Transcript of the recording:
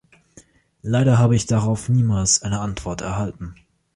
Leider habe ich darauf niemals eine Antwort erhalten.